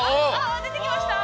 出てきました。